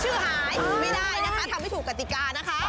ชื่อหายชื่อหายไม่ได้นะคะทำไม่ถูกกติกานะคะ